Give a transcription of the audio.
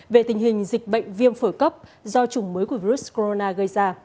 về tình hình dịch bệnh viêm phổi cấp do chủng mới của virus corona gây ra